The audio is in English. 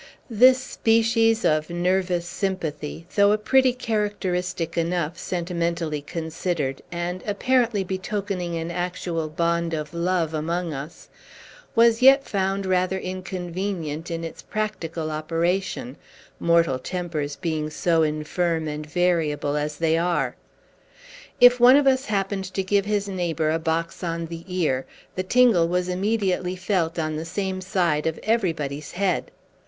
This species of nervous sympathy (though a pretty characteristic enough, sentimentally considered, and apparently betokening an actual bond of love among us) was yet found rather inconvenient in its practical operation, mortal tempers being so infirm and variable as they are. If one of us happened to give his neighbor a box on the ear, the tingle was immediately felt on the same side of everybody's head.